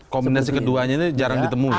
kombinasi keduanya ini jarang ditemui